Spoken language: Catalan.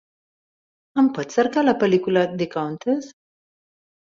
Em pots cercar la pel·lícula The Countess?